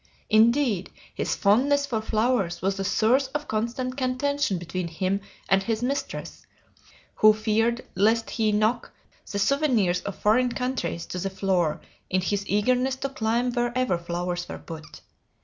Indeed, his fondness for flowers was a source of constant contention between him and his mistress, who feared lest he knock the souvenirs of foreign countries to the floor in his eagerness to climb wherever flowers were put.